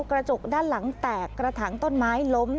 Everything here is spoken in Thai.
กระจกด้านหลังแตกกระถางต้นไม้ล้ม